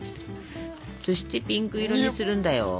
そしてピンク色にするんだよ。